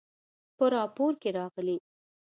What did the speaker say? په راپور کې راغلي